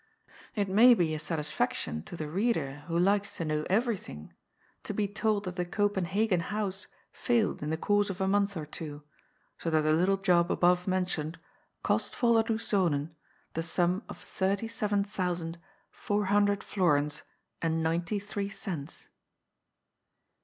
It may be a satisfaction to ihe reader who likes to know everything to be told that the Copenhagen house failed in the course of a month or two, so that the little job above mentioned cost Volderdoes Zonen the sum of thirty seven thousand four hundred florins and ninety three cents.